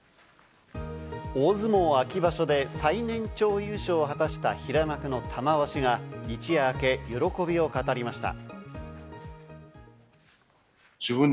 大相撲・秋場所で最年長優勝を果たした平幕の玉鷲が一夜明け、喜びを語りました。